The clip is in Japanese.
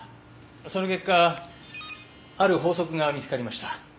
その結果ある法則が見つかりました。